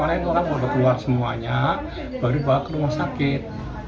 karena itu kan keluar semuanya baru bawa ke rumah sakit